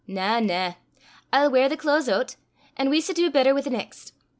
Na, na; I'll weir the claes oot, an' we s' dee better wi' the neist.